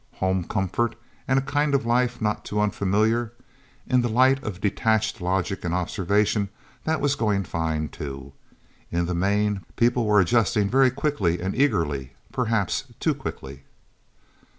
Home, comfort, and a kind of life not too unfamiliar? In the light of detached logic and observation, that was going fine, too. In the main, people were adjusting very quickly and eagerly. Perhaps too quickly.